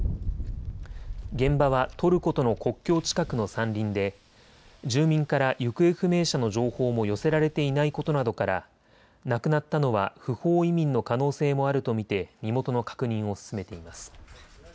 現場はトルコとの国境近くの山林で住民から行方不明者の情報も寄せられていないことなどから亡くなったのは不法移民の可能性もあると見て身元の確認を進めています。